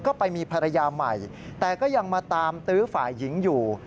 ก็ไปมีภรรยาใหม่แต่ก็ยังมาตามตื้อฝ่ายหญิงอยู่